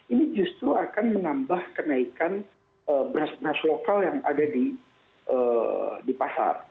ini justru akan menambah kenaikan beras beras lokal yang ada di pasar